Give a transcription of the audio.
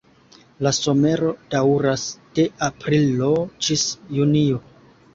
La somero daŭras de aprilo ĝis junio.